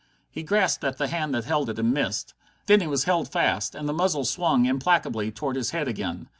He grasped at the hand that held it, and missed. Then he was held fast, and the muzzle swung implacably toward his head again.